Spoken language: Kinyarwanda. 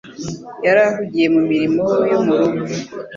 Yari ahugiye mu mirimo yo mu rugo.